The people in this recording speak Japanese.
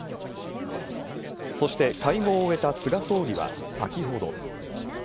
そして、会合を終えた菅総理は先ほど。